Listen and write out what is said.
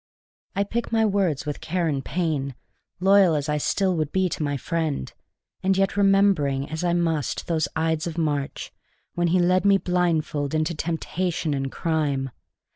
I pick my words with care and pain, loyal as I still would be to my friend, and yet remembering as I must those Ides of March when he led me blindfold into temptation and crime.